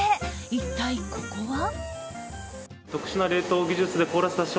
一体ここは？